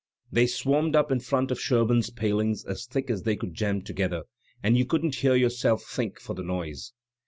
"They swarmed up in front of Sherbum's palings as thick as they could jam together, and you couldn't hear yourself think for the noise.